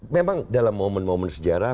memang dalam momen momen sejarah